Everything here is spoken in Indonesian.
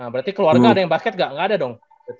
berarti keluarga ada yang basket gak gak ada dong